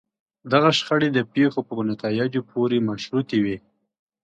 دغه شخړې د پېښو په نتایجو پورې مشروطې وي.